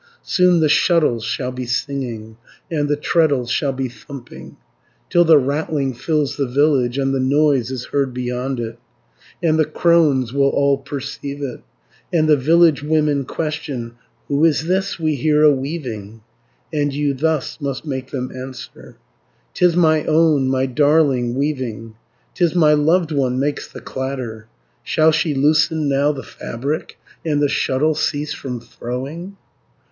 Soon the shuttle shall be singing, And the treadle shall be thumping, Till the rattling fills the village, And the noise is heard beyond it: 70 And the crones will all perceive it, And the village women question, 'Who is this we hear a weaving?' And you thus must make them answer: ''Tis my own, my darling, weaving, 'Tis my loved one makes the clatter, Shall she loosen now the fabric, And the shuttle cease from throwing?'